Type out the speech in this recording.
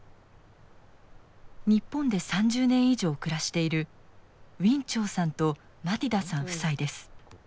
日本で３０年以上暮らしているウィン・チョウさんとマティダさん夫妻です。